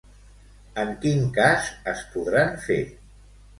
En quin cas es podran fer?